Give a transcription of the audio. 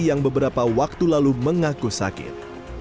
yang beberapa waktu lalu mengaku sakit